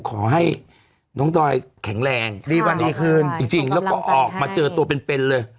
ขอให้น้องดอยแข็งแรงดีวันดีคืนจริงแล้วก็ออกมาเจอตัวเป็นเป็นเลย